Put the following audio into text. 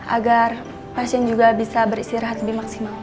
agar pasien juga bisa beristirahat lebih maksimal